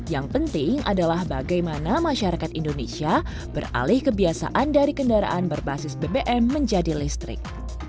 yang penting adalah bagaimana masyarakat indonesia beralih kebiasaan dari kendaraan berbasis bbm menjadi listrik